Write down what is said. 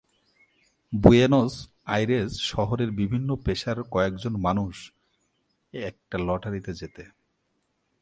Buenos Aires শহরের বিভিন্ন পেশার কয়েকজন মানুষ একটা লটারি জেতে।